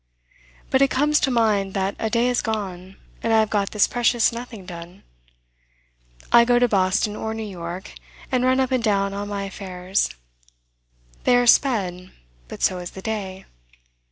But it comes to mind that a day is gone, and I have got this precious nothing done. I go to Boston or New York, and run up and down on my affairs: they are sped, but so is the day.